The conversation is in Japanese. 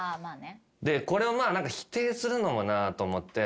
でこれを否定するのもなぁと思って